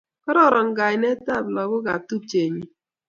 Kororon kainaigap lagok ap tupchennyu.